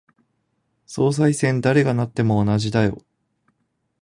総裁選、誰がなっても同じだよ。